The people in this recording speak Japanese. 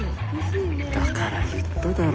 だから言っただろ。